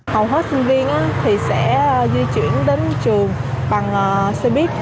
hầu hết sinh viên sẽ di chuyển đến trường bằng xe buýt